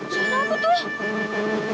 jalan aku tuh